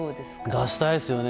出したいですよね。